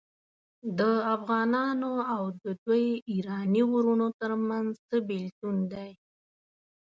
د افغانانو او د دوی ایراني وروڼو ترمنځ څه بیلتون دی.